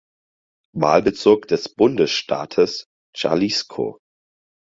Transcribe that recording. Wahlbezirk des Bundesstaates Jalisco.